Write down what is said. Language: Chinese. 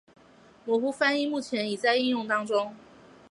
模糊翻译目前已在应用当中。